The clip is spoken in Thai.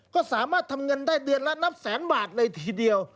ก็สามารถทำเงินได้เดือนละนับแสนบาทเลยทีเดียว